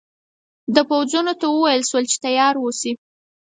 د پوځونو ته وویل شول چې تیار اوسي.